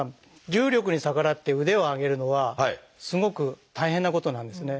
重力に逆らって腕を上げるのはすごく大変なことなんですね。